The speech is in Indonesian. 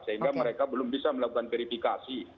sehingga mereka belum bisa melakukan verifikasi